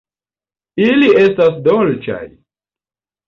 Ili estas dolĉaj!